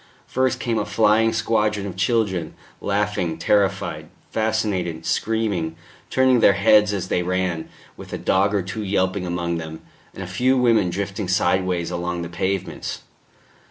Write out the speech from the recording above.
First came a flying squadron of children, laughing, terrified, fascinated, screaming, turning their heads as they ran, with a dog or two yelping among them, and a few women drifting sideways along the pavements.